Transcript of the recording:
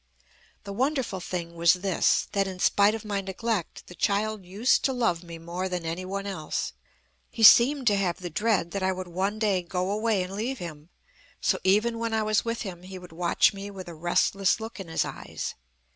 "The wonderful thing was this, that in spite of my neglect the child used to love me more than any one else. He seemed to have the dread that I would one day go away and leave him. So even when I was with him, he would watch me with a restless look in his eyes.